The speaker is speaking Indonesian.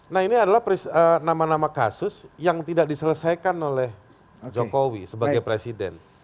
nah ini adalah nama nama kasus yang tidak diselesaikan oleh jokowi sebagai presiden